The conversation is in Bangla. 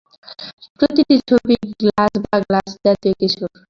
প্রতিটি ছবিই গ্লাছ বা গাছজাতীয় কিছুর।